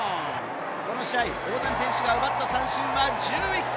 この試合、大谷選手が奪った三振は１１個。